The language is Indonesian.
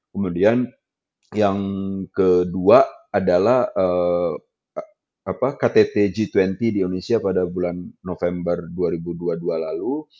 kemudian yang kedua adalah ktt g dua puluh di indonesia pada bulan november dua ribu dua puluh dua lalu